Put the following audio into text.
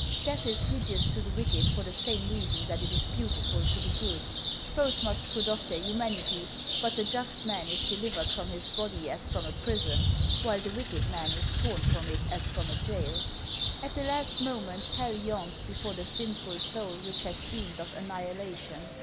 Death is hideous to the wicked for the same reason that it is beautiful to the good ; both must put off their humanity, but the just man is delivered from his body as from a prison, while the wicked man is torn from it as from a jail. At the last moment hell yawns before the sinful soul which has dreamed of annihilation.